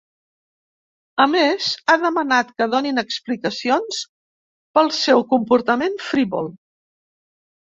A més, ha demanat que donin explicacions pel seu comportament frívol.